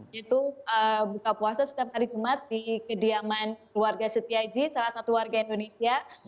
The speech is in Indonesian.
yaitu buka puasa setiap hari jumat di kediaman keluarga setiaji salah satu warga indonesia